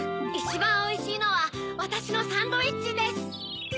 いちばんおいしいのはわたしのサンドイッチです。